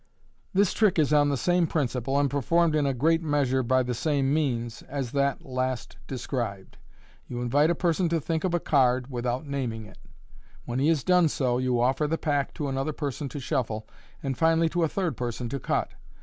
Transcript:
— This trick is on the same principle, and performed in a great measure by the same means, as that last described. You invite a person to think of a card (without naming it). When he has done so, you offer the pack to another person to shuffle, and finally to a third person to cut.